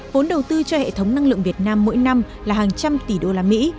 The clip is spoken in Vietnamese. vốn đầu tư cho hệ thống năng lượng việt nam mỗi năm là hàng trăm tỷ đô la mỹ